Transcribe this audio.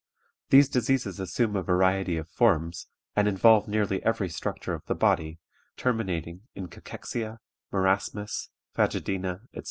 These diseases assume a variety of forms, and involve nearly every structure of the body, terminating in cachexia, marasmus, phagedæna, etc.